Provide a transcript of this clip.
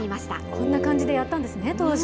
こんな感じでやったんですね、当時。